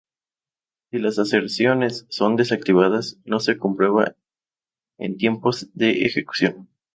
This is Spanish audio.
Si las aserciones son desactivadas, no se comprueban en tiempo de ejecución.